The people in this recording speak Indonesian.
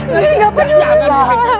nanti apaan juga murahan